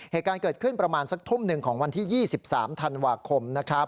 เหตุการณ์เกิดขึ้นประมาณสักทุ่มหนึ่งของวันที่๒๓ธันวาคมนะครับ